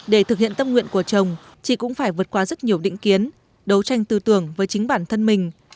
để thực hiện tâm nguyện của chồng chị cũng phải vượt qua rất nhiều định kiến đấu tranh tư tưởng với chính bản thân mình